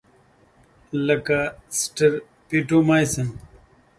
لکه سټریپټومایسین.